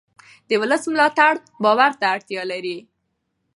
د ولس ملاتړ باور ته اړتیا لري